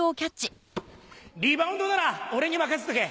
リバウンドなら俺に任せとけ！